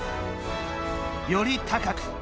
より高く。